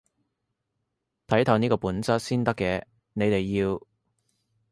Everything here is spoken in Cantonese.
睇透呢個本質先得嘅，你哋要